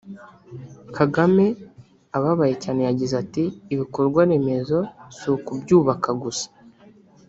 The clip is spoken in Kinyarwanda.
Kagame ababaye cyane yagize ati “Ibikorwa remezo si ukubyubaka gusa